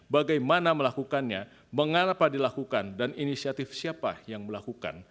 bagaimana melakukannya mengapa dilakukan dan inisiatif siapa yang melakukan